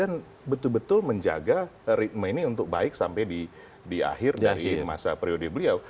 dan betul betul menjaga ritme ini untuk baik sampai di akhir dari masa prioritas beliau